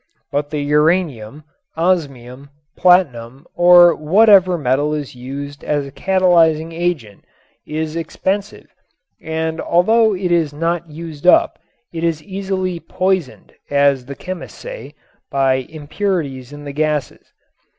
But the uranium, osmium, platinum or whatever metal is used as a catalyzing agent is expensive and although it is not used up it is easily "poisoned," as the chemists say, by impurities in the gases.